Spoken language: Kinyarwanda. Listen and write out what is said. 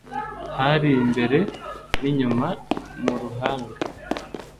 Hari “imbere n’inyuma” (mu ruhanga